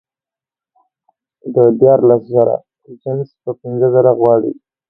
د دیارلس زره جنس په پینځه زره غواړي